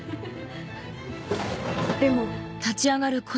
でも。